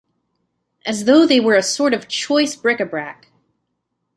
As though they were a sort of choice bric-a-brac.